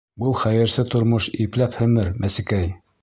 Был хәйерсе тормош Ипләп һемер, мәсекәй!